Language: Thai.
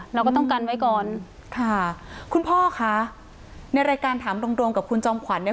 เราก็ต้องกันไว้ก่อนค่ะคุณพ่อค่ะในรายการถามตรงตรงกับคุณจอมขวัญเนี่ย